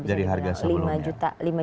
jadi harga sebelumnya